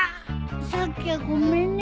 さっきはごめんね。